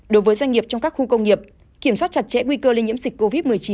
đối với doanh nghiệp trong các khu công nghiệp kiểm soát chặt chẽ nguy cơ lây nhiễm dịch covid một mươi chín